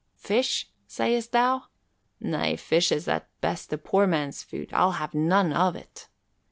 Fish, sayest thou? Nay, fish is at best a poor man's food. I will have none of it."